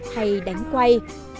hay đánh quay